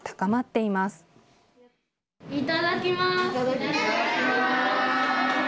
いただきまーす。